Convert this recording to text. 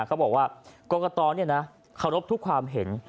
เขาบอกว่ากรกตเนี่ยนะขอรบทุกความเห็น